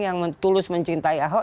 yang tulus mencintai ahok